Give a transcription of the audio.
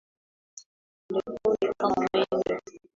Polepole kama mwendo.